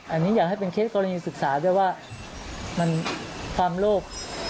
อันนี้อยากให้เป็นเคสกรณีศึกษาด้วยว่ามันความโลภ